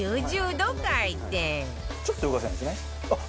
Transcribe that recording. ちょっと動かせばいいんですね。